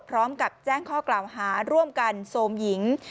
พร้อมกับแจ้งข้อกล่าวหาร่วมกันโซมหญิง